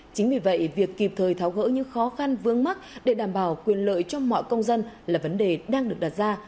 chính vì vậy việc kịp thời tháo gỡ những khó khăn vương mắc để đảm bảo quyền lợi cho mọi công dân là vấn đề đang được đặt ra